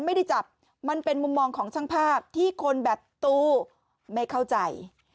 ไม่ได้จับมันเป็นมุมมองของช่างภาพที่คนแบบตู้ไม่เข้าใจ